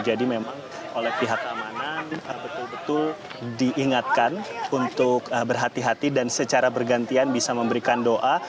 jadi memang oleh pihak keamanan betul betul diingatkan untuk berhati hati dan secara bergantian bisa memberikan doa